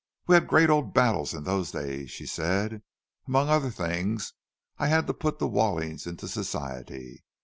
"We had great old battles in those days," she said. "Among other things, I had to put the Wallings into Society.